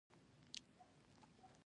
هغه یې چین ته د خپل سفیر په حیث واستاوه.